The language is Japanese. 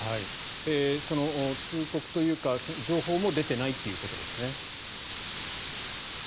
その通告というか情報も出ていないということですね。